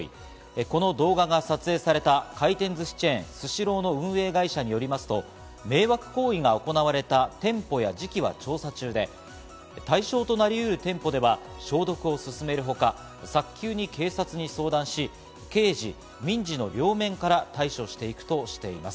この動画が撮影された回転ずしチェーン、スシローの運営会社によりますと、迷惑行為が行われた店舗や時期は調査中で、対象となりうる店舗では消毒を進めるほか、早急に警察に相談し、刑事・民事の両面から対処していくとしています。